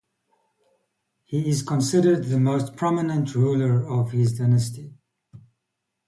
He is considered the most prominent ruler of his dynasty.